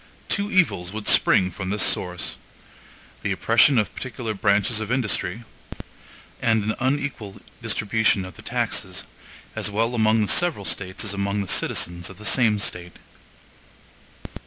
Two evils would spring from this source: the oppression of particular branches of industry; and an unequal distribution of the taxes, as well among the several States as among the citizens of the same State.